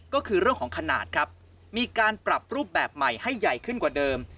ก็คือเรื่องของขนาดครับมีการปรับรูปแบบใหม่ให้ใหญ่ขึ้นกว่าเดิม